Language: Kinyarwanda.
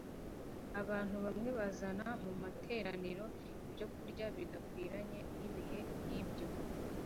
abantu bamwe bazana mu materaniro ibyokurya bidakwiranye n'ibihe nk'ibyo